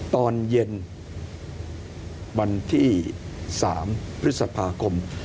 ตอนเย็นวันที่๓พฤษภาคม